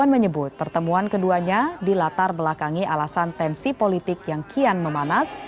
menyebut pertemuan keduanya dilatar belakangi alasan tensi politik yang kian memanas